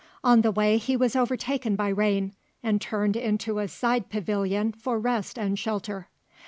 On the way he was overtaken by rain, and turned into a side pavilion for rest and shelter.